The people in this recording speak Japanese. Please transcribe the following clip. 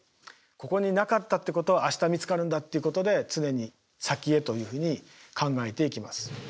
ここになかったっていうことは明日見つかるんだっていうことで常に先へというふうに考えていきます。